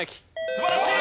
素晴らしい！